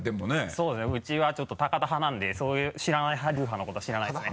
そうですねウチはちょっと高田派なんでそういう知らない流派のことは知らないですね。